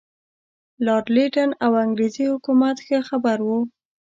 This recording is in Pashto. لارډ لیټن او انګریزي حکومت ښه خبر وو.